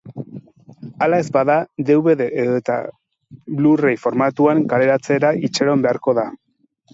Hala ez bada, dvd edota blue-ray formatuan kaleratzera itxaron beharko da.